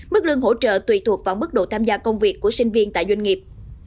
mức lương hỗ trợ tùy thuộc vào mức độ tham gia công việc của sinh viên tại doanh nghiệp